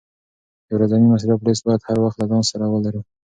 د ورځني مصرف لیست باید هر وخت له ځان سره ولرې.